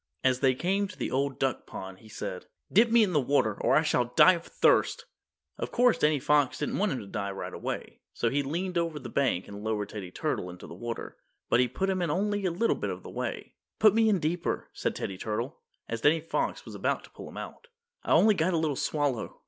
As they came to the Old Duck Pond he said, "Dip me in the water, or I shall die of thirst!" Of course Danny Fox didn't want him to die right away, so he leaned over the bank and lowered Teddy Turtle into the water. But he put him in only a little bit of a way. "Put me in deeper," said Teddy Turtle, as Danny Fox was about to pull him out, "I only got a little swallow."